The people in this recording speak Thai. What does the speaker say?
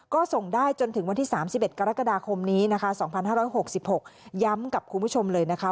ก็ส่งได้จนถึงวันที่๓๑กรกฎาคมนี้นะคะ๒๕๖๖ย้ำกับคุณผู้ชมเลยนะคะ